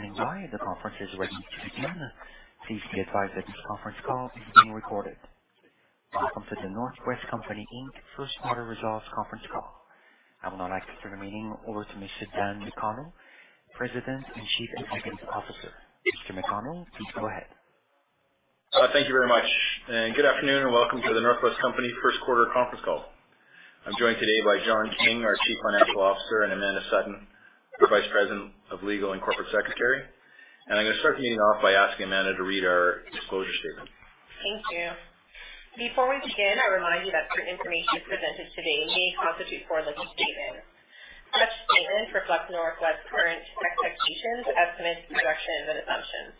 Thanks for standing by. The conference is ready to begin. Please be advised that this conference call is being recorded. Welcome to The North West Company Inc. First Quarter Results Conference Call. I would now like to turn the meeting over to Mr. Dan McConnell, President and Chief Executive Officer. Mr. McConnell, please go ahead. Thank you very much. Good afternoon, and welcome to The North West Company first quarter conference call. I'm joined today by John King, our Chief Financial Officer, and Amanda Sutton, our Vice President of Legal and Corporate Secretary. I'm gonna start the meeting off by asking Amanda to read our disclosure statement. Thank you. Before we begin, I'll remind you that certain information presented today may constitute forward-looking statements. Such statements reflect The North West Company's current expectations, estimates, projections, and assumptions.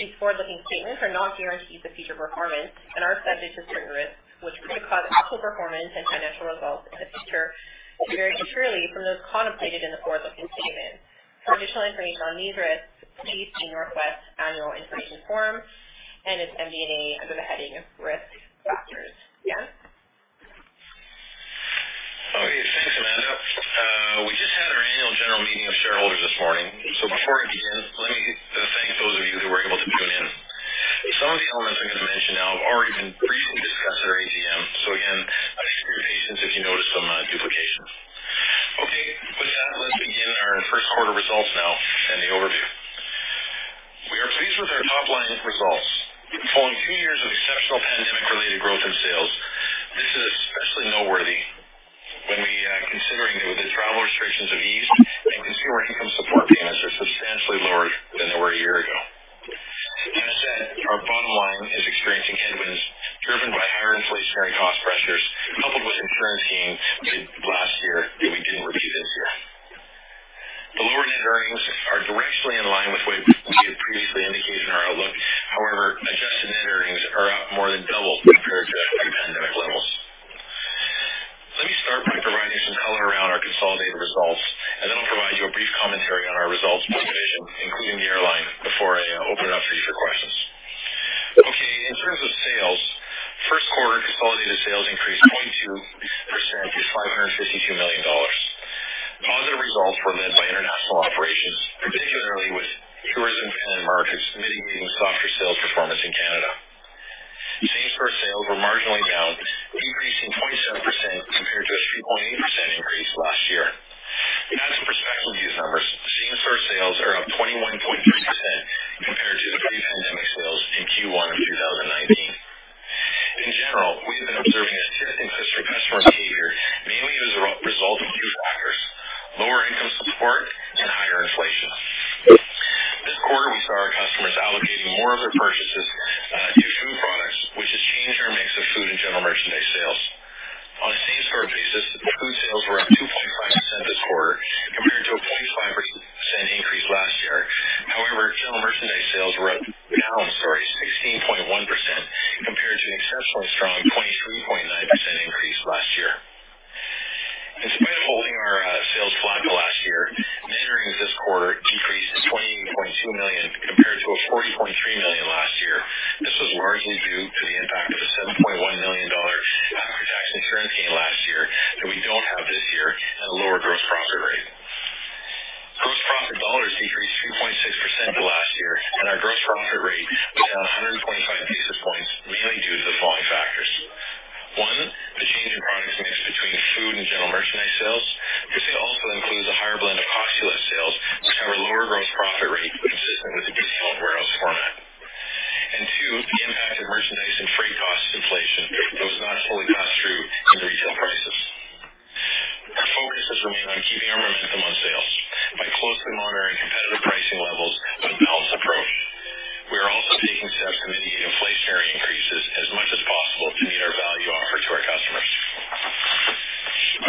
These forward-looking statements are not guarantees of future performance and are subject to certain risks, which could cause actual performance and financial results in the future to vary materially from those contemplated in the forward-looking statements. For additional information on these risks, please see The North West Company's annual information form and its MD&A under the heading Risk Factors. Dan? Okay, thanks, Amanda. We just had our annual general meeting of shareholders this morning. Before I begin, let me thank those of you who were able to tune in. Some of the elements I'm gonna mention now have already been briefly discussed at our AGM. Again, I appreciate your patience if you notice some duplication. Okay. With that, let's begin our first quarter results now and the overview. We are pleased with our top-line results following two years of exceptional pandemic-related growth in sales. This is especially noteworthy when we're considering that the travel restrictions have eased and consumer income support payments are substantially lower than they were a year ago. That said, our bottom line is experiencing headwinds driven by higher inflationary cost pressures, coupled with insurance gains made last year that we didn't repeat this year. The lower net earnings are directionally in line with what we had previously indicated in our outlook. However, adjusted net earnings are up more than double compared to pre-pandemic levels. Let me start by providing some color around our consolidated results, and then I'll provide you a brief commentary on our results by division, including the airline, before I open it up for you for questions. Okay, in terms of sales, first quarter consolidated sales increased 0.2% to CAD 552 million. Positive results were led by International Operations, particularly with tourism markets, mitigating softer Sales Performance in Canada. Same-store sales were marginally down, increasing 0.7% compared to a 3.8% increase last year. To add some perspective to these numbers, same-store sales are up 21.6% compared to the pre-pandemic sales in Q1 of 2019. In general, we have been observing a shift in customer behavior, mainly as a result of two factors, lower income support and higher inflation. This quarter, we saw our customers allocating more of their purchases to food products, which has changed our mix of food and general merchandise sales. On a same-store basis, food sales were up 2.5% this quarter compared to a 0.5% increase last year. However, general merchandise sales were down 16.1% compared to the exceptionally strong 23.9% increase last year. In spite of holding our sales flat to last year, net earnings this quarter decreased to 20.2 million compared to 40.3 million last year. This was largely due to the impact of a 7.1 million dollar after-tax insurance gain last year that we don't have this year and a lower gross profit rate. Gross profit dollars decreased 2.6% to last year, and our gross profit rate was down 125 basis points, mainly due to the following factors. One, the change in product mix between food and general merchandise sales. This also includes a higher blend of cost-plus sales, which have a lower gross profit rate consistent with the discount warehouse format. Two, the impact of merchandise and freight cost inflation that was not fully passed through to the retail prices. Our focus has remained on keeping our momentum on sales by closely monitoring competitive pricing levels with a balanced approach. We are also taking steps to mitigate inflationary increases as much as possible to meet our value offer to our customers.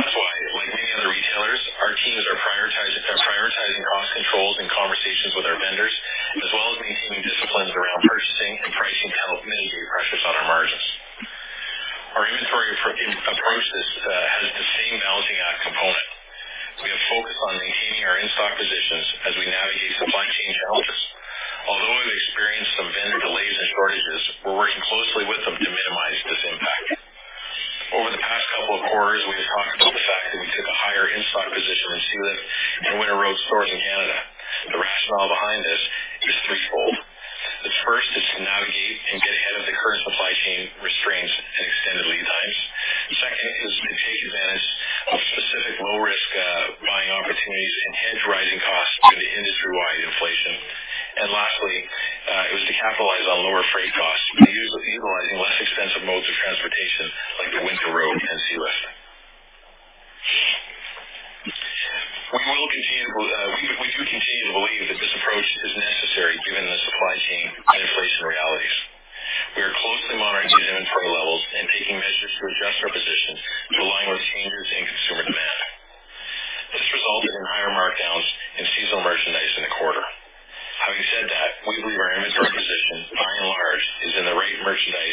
That's why, like many other retailers, our teams are prioritizing cost controls and conversations with our vendors, as well as maintaining disciplines around purchasing and pricing to help mitigate pressures on our margins. Our inventory has the same balancing act component. We have focused on maintaining our in-stock positions as we navigate supply chain challenges. Although we've experienced some vendor delays and shortages, we're working closely with them to minimize this impact. Over the past couple of quarters, we have talked about the fact that we took a higher in-stock position in Sealift and Winter Road stores in Canada. The rationale behind this is threefold. The first is to navigate and get ahead of the current supply chain restraints and extended lead times. The second is to take advantage of specific low-risk, buying opportunities and hedge rising costs due to industry-wide inflation. Lastly, it was to capitalize on lower freight costs by utilizing less expensive modes of transportation like the Winter Road and Sealift. We do continue to believe that this approach is necessary given the supply chain and inflation realities. We are closely monitoring these inventory levels and taking measures to adjust our positions to align with changes in consumer demand. This resulted in higher markdowns in seasonal merchandise in the quarter. Having said that, we believe our inventory position, by and large, is in the right merchandise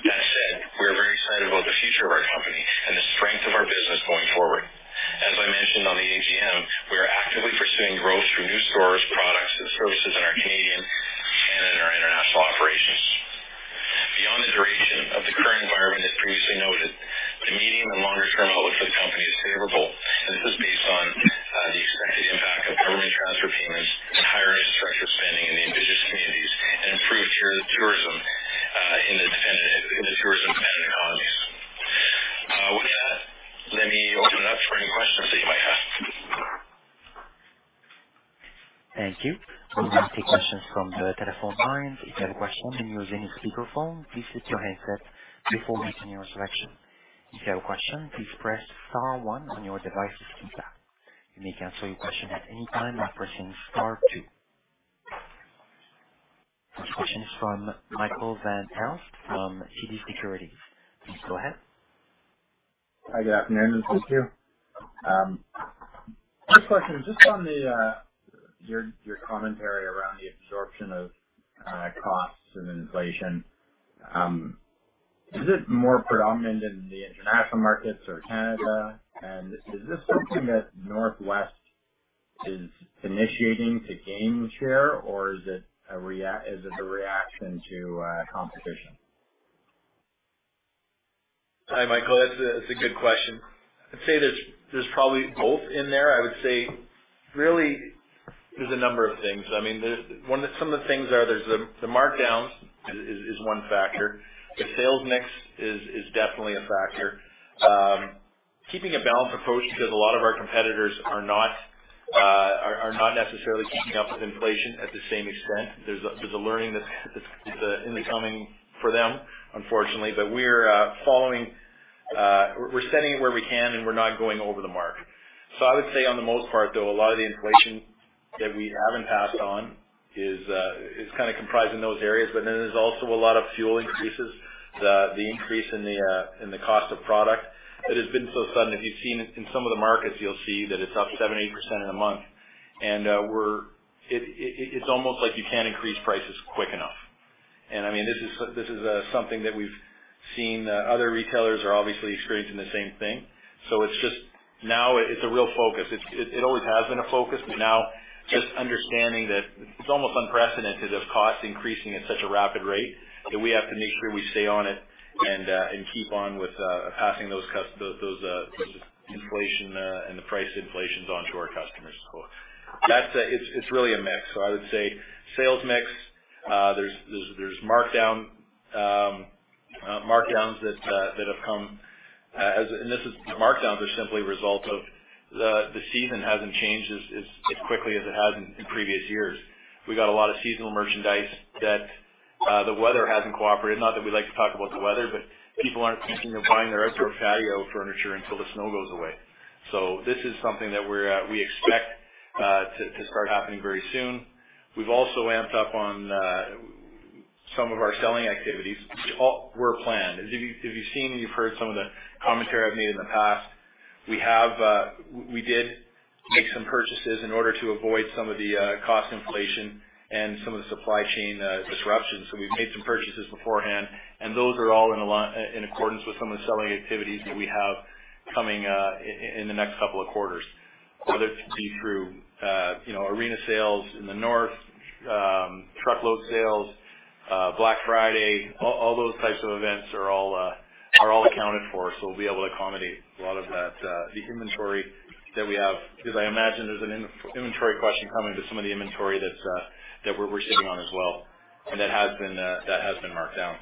That said, we are very excited about the future of our company and the strength of our business going forward. As I mentioned on the AGM, we are actively pursuing growth through new stores, products, and services in our Canadian and in our international operations. Beyond the duration of the current environment as previously noted, the medium- and longer-term outlook for the company is favorable, and this is based on the expected impact of government transfer payments and higher infrastructure spending in the Indigenous communities and improved tourism in the tourism-dependent economies. With that, let me open it up for any questions that you might have. Thank you. We will now take questions from the telephone lines. If you have a question and you are using a speakerphone, please mute your headset before making your selection. If you have a question, please press star one on your device's keypad. You may cancel your question at any time by pressing star two. First question is from Michael van Aelst from TD Cowen. Please go ahead. Hi, good afternoon. Thank you. First question, just on your commentary around the absorption of costs and inflation, is it more predominant in the international markets or Canada? Is this something that North West is initiating to gain share, or is it a reaction to competition? Hi, Michael. That's a good question. I'd say there's probably both in there. I would say really there's a number of things. I mean, one of the things is the markdowns is one factor. The sales mix is definitely a factor. Keeping a balanced approach because a lot of our competitors are not necessarily keeping up with inflation at the same extent. There's a learning that's in the coming for them, unfortunately. We're following. We're setting it where we can and we're not going over the mark. I would say on the most part, though, a lot of the inflation that we haven't passed on is kinda comprised in those areas, but then there's also a lot of fuel increases. The increase in the cost of product that has been so sudden. If you've seen in some of the markets, you'll see that it's up 7%-8% in a month. It's almost like you can't increase prices quick enough. I mean, this is something that we've seen. Other retailers are obviously experiencing the same thing. It's just now a real focus. It always has been a focus, but now just understanding that it's almost unprecedented of costs increasing at such a rapid rate that we have to make sure we stay on it and keep on with passing those inflation and the price inflations on to our customers as well. That's really a mix. I would say sales mix, there's markdowns that have come, the markdowns are simply a result of the season hasn't changed as quickly as it has in previous years. We got a lot of seasonal merchandise that the weather hasn't cooperated. Not that we like to talk about the weather, but people aren't thinking of buying their outdoor patio furniture until the snow goes away. This is something that we expect to start happening very soon. We've also ramped up on some of our selling activities. All were planned. As you, if you've seen and you've heard some of the commentary I've made in the past, we did make some purchases in order to avoid some of the cost inflation and some of the supply chain disruptions. We've made some purchases beforehand, and those are all in accordance with some of the selling activities that we have coming in the next couple of quarters. Whether it be through, you know, arena sales in the north, truckload sales, Black Friday, all those types of events are all accounted for. We'll be able to accommodate a lot of that, the inventory that we have, because I imagine there's an inventory question coming to some of the inventory that's, that we're sitting on as well. That has been marked down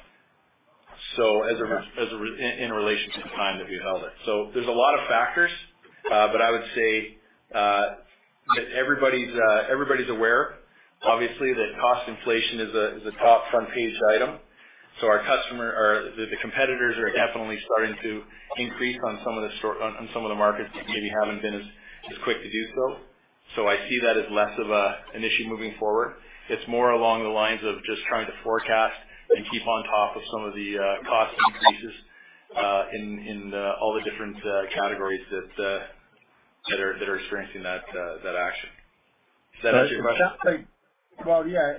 in relation to the time that we held it. There's a lot of factors, but I would say that everybody's aware, obviously, that cost inflation is a top front-page item. Our customers or the competitors are definitely starting to increase on some of the markets that maybe haven't been as quick to do so. I see that as less of an issue moving forward. It's more along the lines of just trying to forecast and keep on top of some of the cost increases in all the different categories that are experiencing that action. Does that answer your question?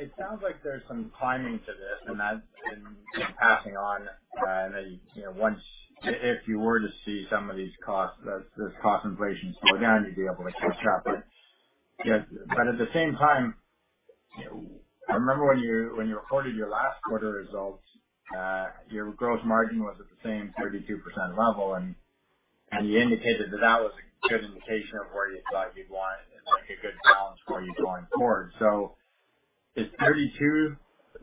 It sounds like there's some timing to this and that in passing on that you know if you were to see some of these costs this cost inflation slow down you'd be able to catch up. At the same time, I remember when you recorded your last quarter results your gross margin was at the same 32% level and you indicated that was a good indication of where you thought you'd want like a good balance for you going forward. Is 32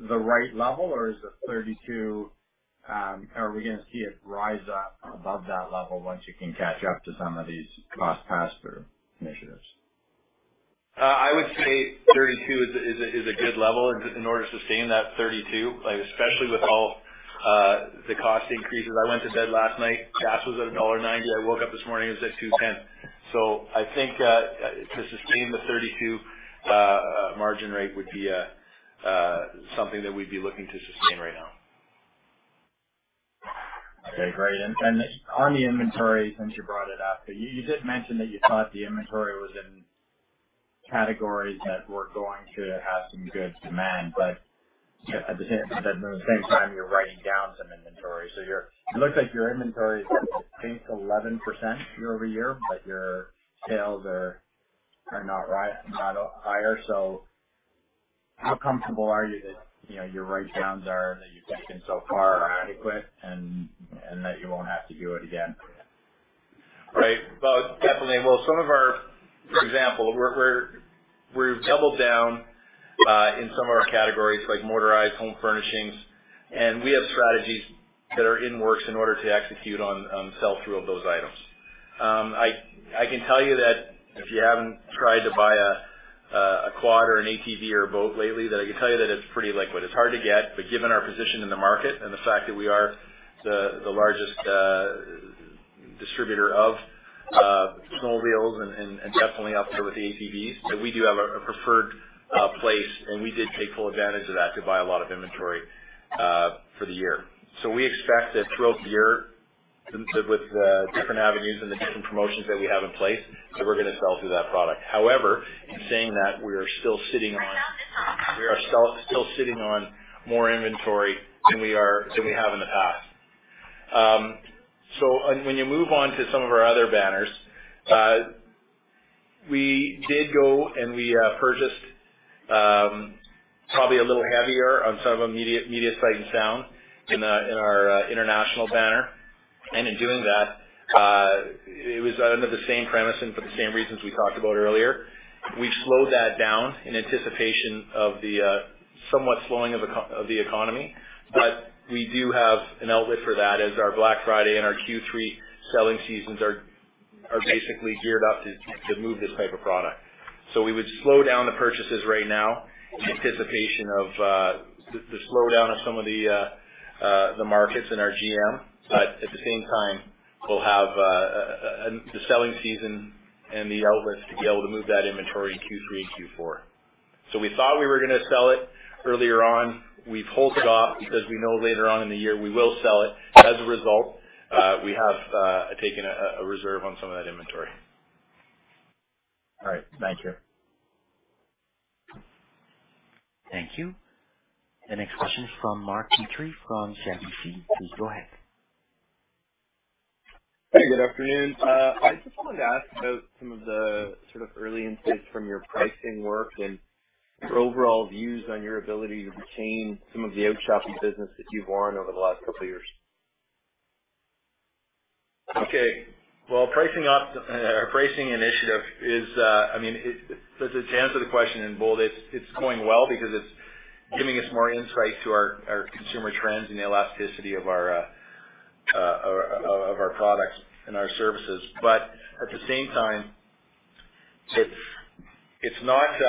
the right level or is the 32 are we gonna see it rise up above that level once you can catch up to some of these cost pass-through initiatives? I would say 32 is a good level in order to sustain that 32, like, especially with all the cost increases. I went to bed last night, gas was at dollar 1.90. I woke up this morning, it was at 2.10. I think to sustain the 32% margin rate would be something that we'd be looking to sustain right now. Okay, great. On the inventory, since you brought it up, you did mention that you thought the inventory was in categories that were going to have some good demand. But at the same time you're writing down some inventory. Your inventory is up, I think, 11% year-over-year, but your sales are not higher. How comfortable are you that, you know, your write-downs that you've taken so far are adequate and that you won't have to do it again? Right. Well, definitely. For example, we've doubled down in some of our categories like motorized home furnishings, and we have strategies that are in the works in order to execute on sell-through of those items. I can tell you that if you haven't tried to buy a quad or an ATV or a boat lately, I can tell you that it's pretty liquid. It's hard to get. Given our position in the market and the fact that we are the largest distributor of snowmobiles and definitely up there with the ATVs, we do have a preferred place, and we did take full advantage of that to buy a lot of inventory for the year. We expect that throughout the year, with the different avenues and the different promotions that we have in place, that we're gonna sell through that product. However, in saying that, we are still sitting on- Right now at the top. We are still sitting on more inventory than we are, than we have in the past. When you move on to some of our other banners, we did go and we purchased probably a little heavier on some of our media Sight and Sound in our international banner. In doing that, it was under the same premise and for the same reasons we talked about earlier. We slowed that down in anticipation of the somewhat slowing of the economy. We do have an outlet for that as our Black Friday and our Q3 selling seasons are basically geared up to move this type of product. We would slow down the purchases right now in anticipation of the slowdown of some of the markets in our GM. At the same time, we'll have the selling season and the outlets to be able to move that inventory in Q3 and Q4. We thought we were gonna sell it earlier on. We've held off because we know later on in the year we will sell it. As a result, we have taken a reserve on some of that inventory. All right. Thank you. Thank you. The next question is from Mark Petrie from CIBC. Please go ahead. Hey, good afternoon. I just wanted to ask about some of the sort of early insights from your pricing work and your overall views on your ability to retain some of the outshopping business that you've won over the last couple of years. Well, our pricing initiative is, I mean, just to answer the question in bold, it's going well because it's giving us more insight to our consumer trends and the elasticity of our products and our services. At the same time, it's not.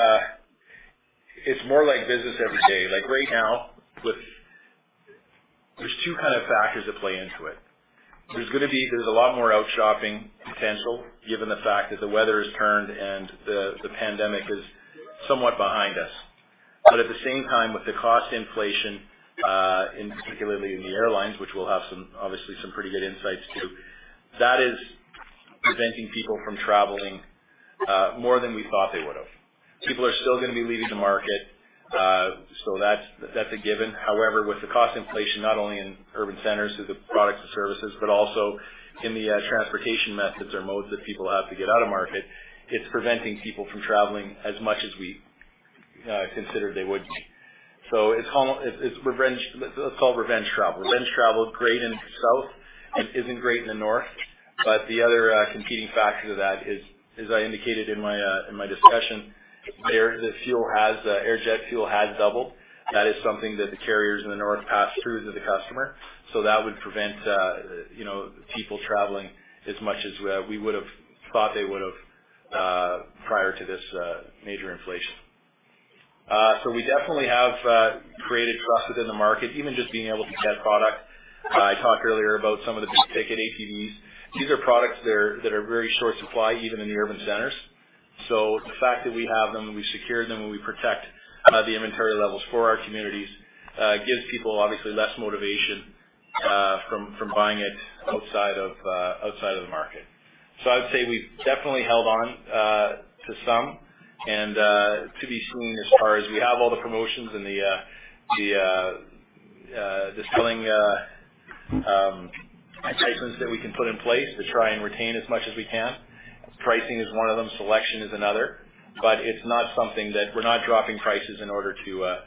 It's more like business every day. Like, right now, there's two kind of factors that play into it. There's a lot more outshopping potential, given the fact that the weather has turned and the pandemic is somewhat behind us. At the same time, with the cost inflation, particularly in the airlines, which we'll have some, obviously some pretty good insights to, that is preventing people from traveling more than we thought they would have. People are still gonna be leaving the market, so that's a given. However, with the cost inflation, not only in urban centers through the products and services, but also in the transportation methods or modes that people have to get out of market, it's preventing people from traveling as much as we considered they would. It's revenge. Let's call it revenge travel. Revenge travel is great in the South and isn't great in the North, but the other competing factor to that is, as I indicated in my discussion, the jet fuel has doubled. That is something that the carriers in the North pass through to the customer. That would prevent, you know, people traveling as much as we would've thought they would've prior to this major inflation. We definitely have created trust within the market, even just being able to get product. I talked earlier about some of the big-ticket ATVs. These are products that are very short supply, even in the urban centers. The fact that we have them, and we've secured them, and we protect the inventory levels for our communities gives people obviously less motivation from buying it outside of the market. I would say we've definitely held on to some and to be seen as far as we have all the promotions and the selling enticements that we can put in place to try and retain as much as we can. Pricing is one of them, selection is another. It's not something that we're not dropping prices in order to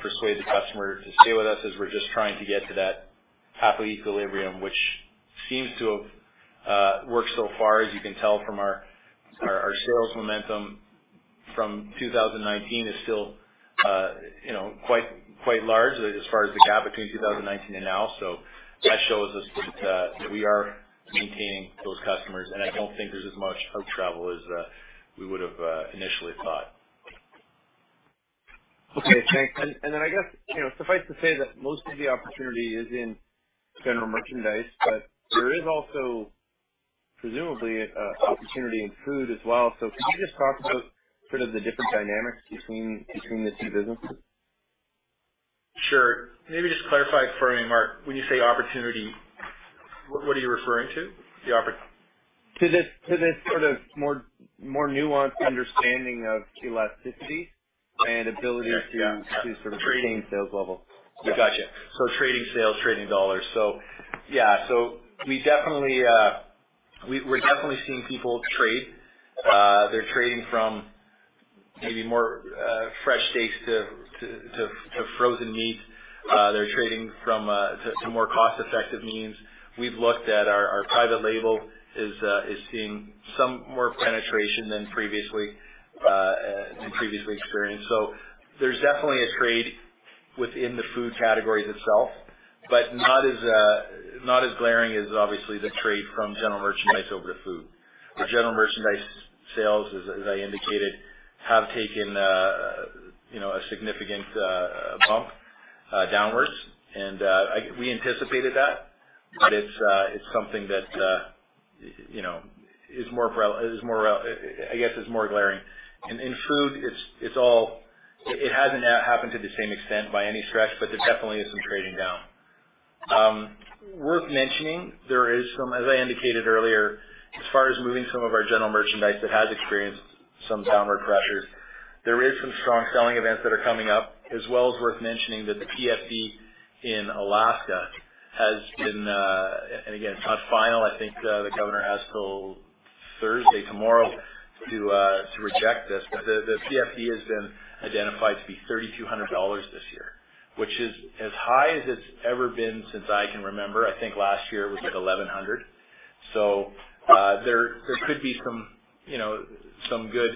persuade the customer to stay with us, as we're just trying to get to that type of equilibrium, which seems to have worked so far. As you can tell from our sales momentum from 2019 is still, you know, quite large as far as the gap between 2019 and now. That shows us that we are maintaining those customers, and I don't think there's as much outtravel as we would have initially thought. Okay, thanks. Then I guess, you know, suffice to say that most of the opportunity is in general merchandise, but there is also presumably opportunity in food as well. Can you just talk about sort of the different dynamics between the two businesses? Sure. Maybe just clarify for me, Mark, when you say opportunity, what are you referring to? To this sort of more nuanced understanding of elasticity and ability to. Yeah. to sort of retain sales level. Trading sales, trading dollars. We're definitely seeing people trade. They're trading from maybe more fresh steaks to frozen meat. They're trading from to more cost-effective means. Our private label is seeing some more penetration than previously experienced. There's definitely a trade within the food categories itself, but not as glaring as obviously the trade from general merchandise over to food. Our general merchandise sales, as I indicated, have taken, you know, a significant bump downwards. We anticipated that, but it's something that, you know, is more glaring, I guess. In food, it's all. It hasn't happened to the same extent by any stretch, but there definitely is some trading down. Worth mentioning, there is some, as I indicated earlier, as far as moving some of our general merchandise that has experienced some downward pressures, there is some strong selling events that are coming up and as well as worth mentioning that the PFD in Alaska has been, and again, not final, I think, the governor has till Thursday, tomorrow, to reject this. The PFD has been identified to be $3,200 this year, which is as high as it's ever been since I can remember. I think last year it was, like, $1,100. There could be some, you know, some good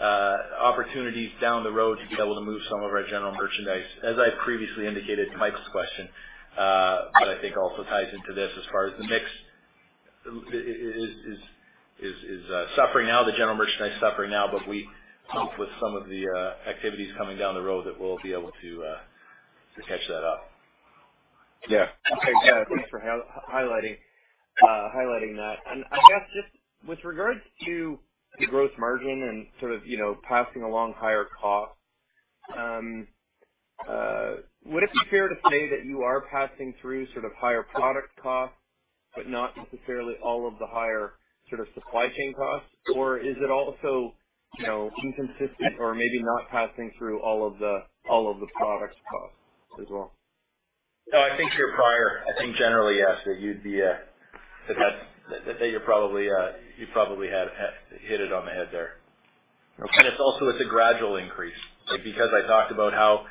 opportunities down the road to be able to move some of our general merchandise. As I previously indicated to Mike's question, that I think also ties into this as far as the mix is suffering now. The general merchandise is suffering now, but we hope with some of the activities coming down the road that we'll be able to catch that up. Yeah. Okay. Yeah, thanks for highlighting that. I guess just with regards to the gross margin and sort of, you know, passing along higher costs, would it be fair to say that you are passing through sort of higher product costs, but not necessarily all of the higher sort of supply chain costs? Or is it also, you know, inconsistent or maybe not passing through all of the product costs as well? No, I think you're right. I think generally, yes, you probably have hit it on the head there. Okay. It's also a gradual increase. Like, because I talked about how,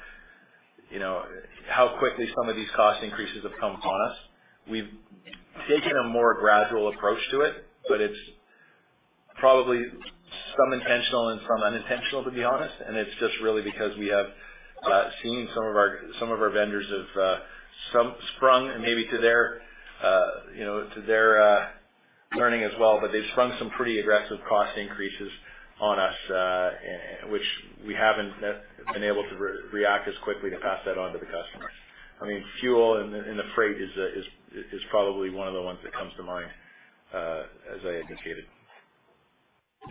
you know, how quickly some of these cost increases have come on us, we've taken a more gradual approach to it, but it's probably some intentional and some unintentional, to be honest. It's just really because we have seen some of our vendors have sprung maybe to their, you know, learning as well, but they've sprung some pretty aggressive cost increases on us, and which we haven't been able to react as quickly to pass that on to the customers. I mean, fuel and the freight is probably one of the ones that comes to mind, as I indicated.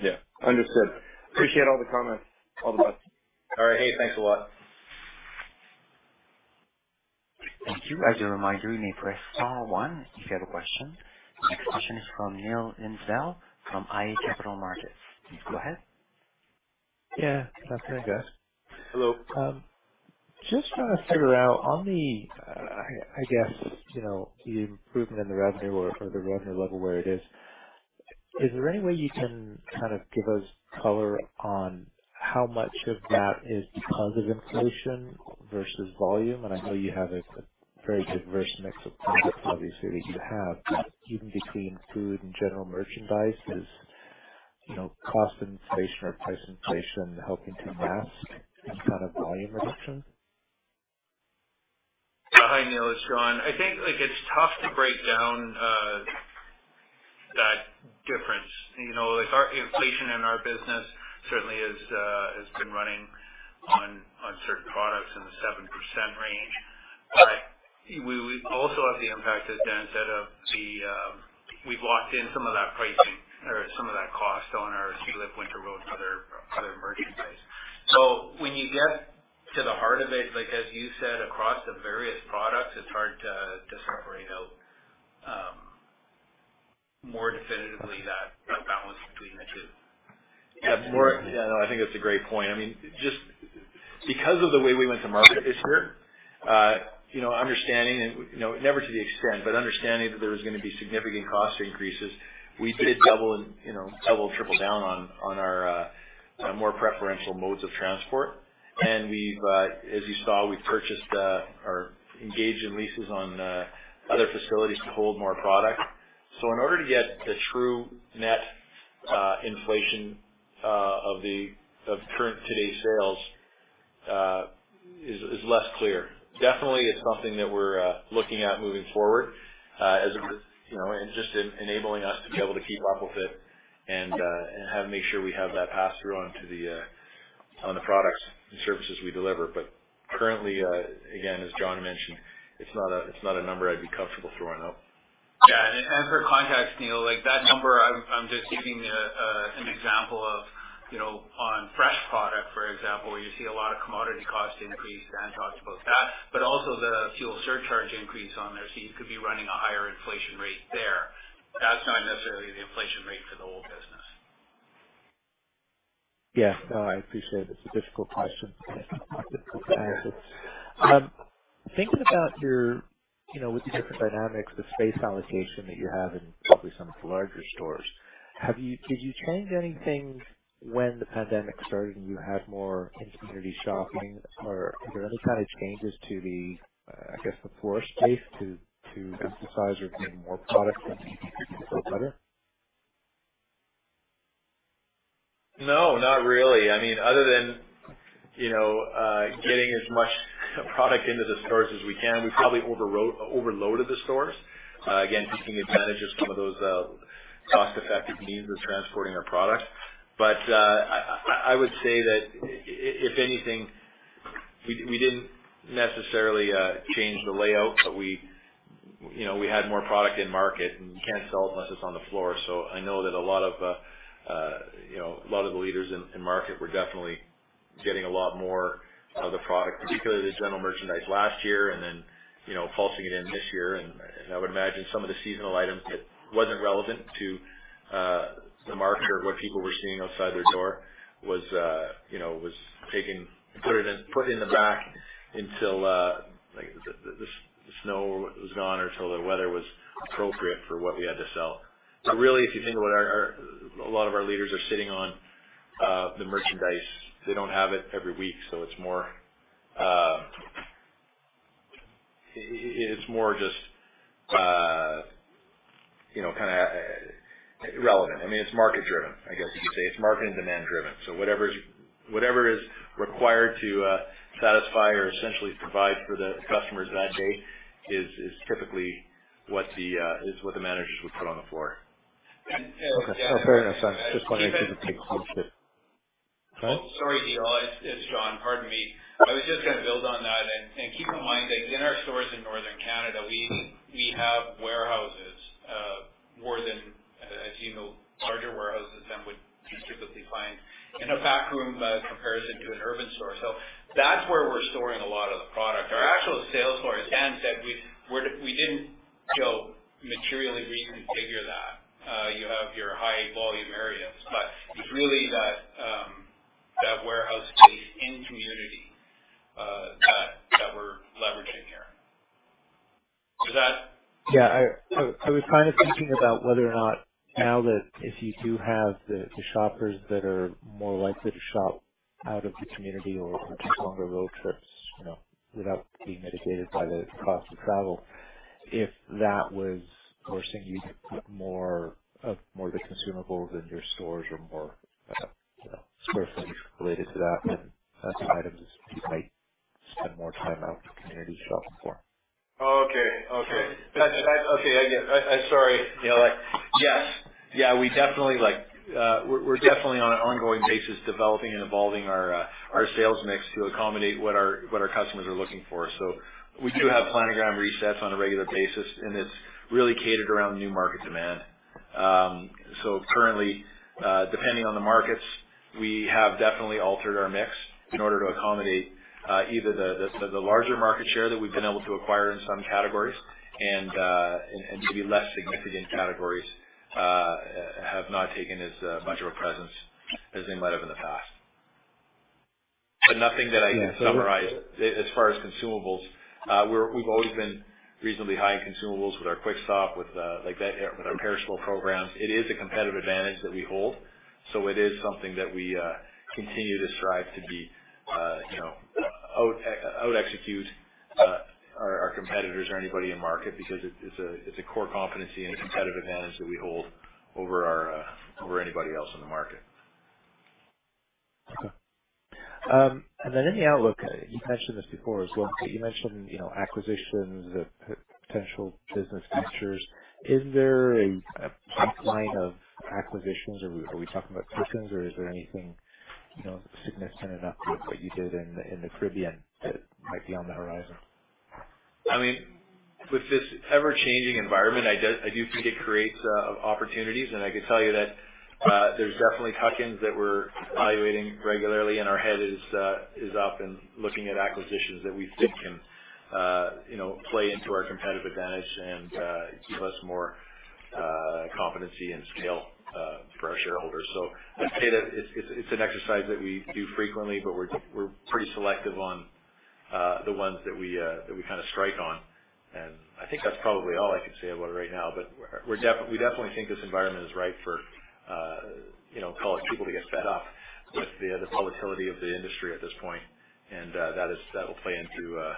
Yeah. Understood. Appreciate all the comments. All the best. All right. Hey, thanks a lot. Thank you. As a reminder, you may press star one if you have a question. Next question is from Neil Linsdell from iA Capital Markets. Go ahead. Yeah. Thanks very much. Hello. Just trying to figure out on the, I guess, you know, the improvement in the revenue or for the revenue level where it is. Is there any way you can kind of give us color on how much of that is positive inflation versus volume? I know you have a very diverse mix of products, obviously, that you have, even between food and general merchandise. You know, is cost inflation or price inflation helping to mask some kind of volume reduction? Hi, Neal, it's John. I think, like, it's tough to break down that difference. You know, like our inflation in our business certainly has been running on certain products in the 7% range. We also have the impact, as Dan said, of the we've locked in some of that pricing or some of that cost on our Sealift Winter Roads and other merchandise. When you get to the heart of it, like as you said, across the various products, it's hard to separate out more definitively that balance between the two. Yeah. Yeah, no, I think that's a great point. I mean, just because of the way we went to market this year, you know, understanding and, you know, never to the extent, but understanding that there was gonna be significant cost increases, we did double and triple down on our more preferential modes of transport. We've, as you saw, purchased or engaged in leases on other facilities to hold more product. In order to get the true net inflation of current today's sales is less clear. Definitely, it's something that we're looking at moving forward, as a, you know, and just enabling us to be able to keep up with it and make sure we have that pass through onto the products and services we deliver. Currently, again, as John mentioned, it's not a number I'd be comfortable throwing out. Yeah. As for context, Neal, like that number, I'm just giving an example of, you know, on fresh product, for example, where you see a lot of commodity cost increase. Dan talked about that. But also the fuel surcharge increase on there. So you could be running a higher inflation rate there. That's not necessarily the inflation rate for the whole business. Yeah. No, I appreciate it. It's a difficult question and not difficult to answer. Thinking about your, you know, with the different dynamics, the space allocation that you have in probably some of the larger stores, did you change anything when the pandemic started and you had more in-community shopping or were there any kind of changes to the, I guess the floor space to emphasize or get more product in front of customers? No, not really. I mean, other than, you know, getting as much product into the stores as we can, we probably overloaded the stores. Again, taking advantage of some of those cost-effective means of transporting our product. I would say that if anything, we didn't necessarily change the layout, but we, you know, we had more product in market, and you can't sell it unless it's on the floor. I know that a lot of, you know, a lot of the leaders in market were definitely getting a lot more of the product, particularly the general merchandise last year and then, you know, pulsing it in this year. I would imagine some of the seasonal items that wasn't relevant to the market or what people were seeing outside their door was, you know, taken, put in the back until, like, the snow was gone or till the weather was appropriate for what we had to sell. Really, if you think about a lot of our leaders sitting on the merchandise. They don't have it every week, so it's more just, you know, kinda relevant. I mean, it's market-driven, I guess you could say. It's market and demand driven. Whatever is required to satisfy or essentially provide for the customers that day is typically what the is what the managers would put on the floor. Okay. No, fair enough. I just wanted to make sure that Oh, sorry, Neil. It's John. Pardon me. I was just gonna build on that. Keep in mind that in our stores in Northern Canada, we have warehouses, more than, as you know, larger warehouses than we'd typically find in a back room comparison to an urban store. That's where we're storing a lot of the product. Our actual sales floor, as Dan said, we didn't go materially reconfigure that. You have your high volume areas. It's really that warehouse space in community that we're leveraging here. Is that- Yeah. I was kind of thinking about whether or not now that if you do have the shoppers that are more likely to shop out of the community or take longer road trips, you know, without being mitigated by the cost of travel, if that was forcing you to put more of the consumables in your stores or more, you know, square footage related to that than some items you might spend more time out in the community shopping for. Sorry, Neil. Yes. Yeah, we definitely like, we're definitely on an ongoing basis developing and evolving our sales mix to accommodate what our customers are looking for. We do have planogram resets on a regular basis, and it's really catered around new market demand. Currently, depending on the markets, we have definitely altered our mix in order to accommodate either the larger market share that we've been able to acquire in some categories and maybe less significant categories have not taken as much of a presence as they might have in the past. Nothing that I can summarize. As far as consumables, we've always been reasonably high in consumables with our Quickstop, with, like, that, with our perishable programs. It is a competitive advantage that we hold, so it is something that we continue to strive to be, you know, out-execute our competitors or anybody in market because it's a core competency and competitive advantage that we hold over anybody else in the market. Okay. In the outlook, you mentioned this before as well, but you mentioned, you know, acquisitions of potential business ventures. Is there a pipeline of acquisitions, or are we talking about tuck-ins or is there anything, you know, significant enough like what you did in the Caribbean that might be on the horizon? I mean, with this ever-changing environment, I do think it creates opportunities. I could tell you that there's definitely tuck-ins that we're evaluating regularly, and our head is up and looking at acquisitions that we think can, you know, play into our competitive advantage and give us more competency and scale for our shareholders. I'd say that it's an exercise that we do frequently, but we're pretty selective on the ones that we kinda strike on. I think that's probably all I can say about it right now. We definitely think this environment is right for, you know, people to get fed up with the volatility of the industry at this point. That'll play into,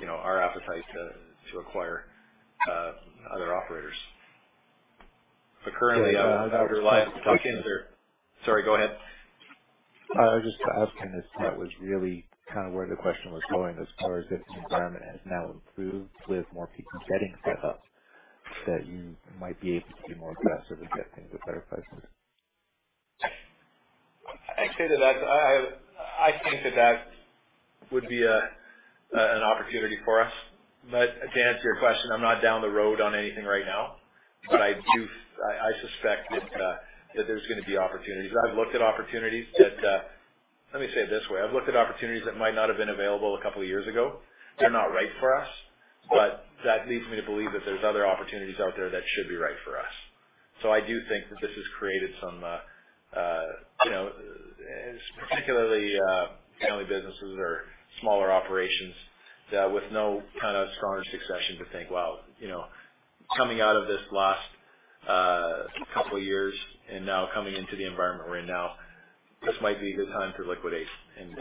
you know, our appetite to acquire other operators. Currently, underlying tuck-ins are. Sorry, go ahead. I was just asking this. That was really kind of where the question was going as far as if the environment has now improved with more people getting fed up, that you might be able to be more aggressive with getting the better prices. I'd say that's I think that would be an opportunity for us. To answer your question, I'm not down the road on anything right now. I suspect that there's gonna be opportunities. I've looked at opportunities that. Let me say it this way. I've looked at opportunities that might not have been available a couple of years ago. They're not right for us. That leads me to believe that there's other opportunities out there that should be right for us. I do think that this has created some, you know, particularly, family businesses or smaller operations, with no kind of strong succession to think, wow, you know, coming out of this last, couple years and now coming into the environment right now, this might be a good time for liquidation.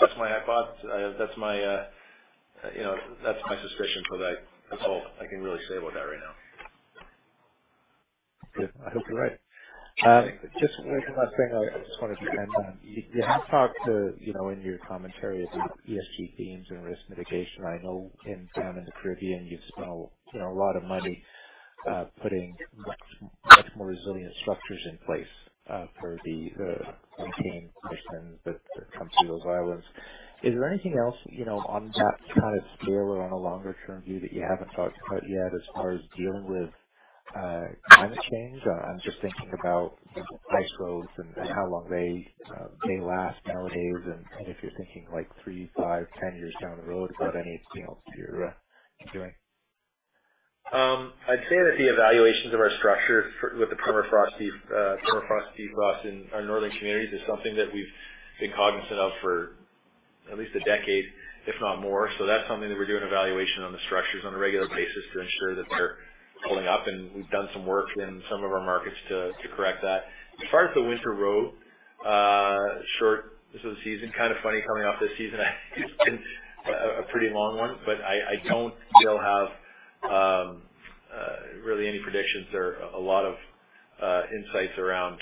That's my thoughts. You know, that's my suspicion for that. That's all I can really say about that right now. Good. I hope you're right. Just one last thing I just wanted to end on. You have talked about, you know, in your commentary, the ESG themes and risk mitigation. I know in the Caribbean, you've spent a, you know, a lot of money putting much more resilient structures in place for the hurricane seasons that come through those islands. Is there anything else, you know, on that kind of scale or on a longer-term view that you haven't talked about yet as far as dealing with climate change? I'm just thinking about ice roads and how long they last nowadays and if you're thinking, like, 3, 5, 10 years down the road about anything else that you're doing. I'd say that the evaluations of our structure for, with the permafrost deep frost in our northern communities is something that we've been cognizant of for at least a decade, if not more. That's something that we're doing evaluation on the structures on a regular basis to ensure that they're holding up. We've done some work in some of our markets to correct that. As far as the Winter Road short this season, kind of funny coming off this season. It's been a pretty long one, but I don't, Neil, have really any predictions or a lot of insights around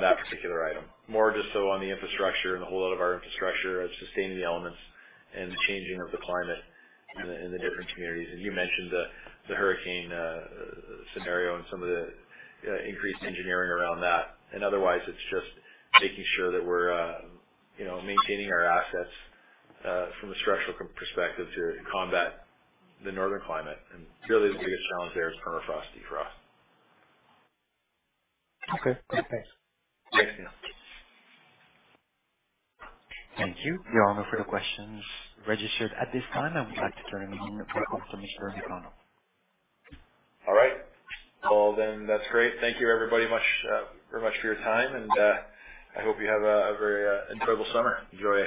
that particular item. More just so on the infrastructure and the whole lot of our infrastructure of sustaining the elements and the changing of the climate in the different communities. You mentioned the hurricane scenario and some of the increased engineering around that. Otherwise, it's just making sure that we're, you know, maintaining our assets from a structural perspective to combat the northern climate. Really the biggest challenge there is permafrost deep frost. Okay. Great. Thanks. Thanks, Neil. Thank you. We have no further questions registered at this time. I would like to turn the meeting over to Mr. McConnell. All right. Well, that's great. Thank you everybody much, very much for your time, and I hope you have a very incredible summer. Enjoy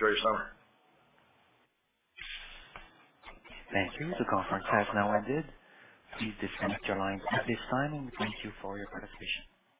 your summer. Thank you. The conference has now ended. Please disconnect your lines at this time, and we thank you for your participation.